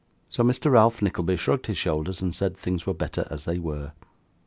So, Mr. Ralph Nickleby shrugged his shoulders, and said things were better as they were.